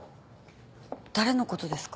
誰のことですか？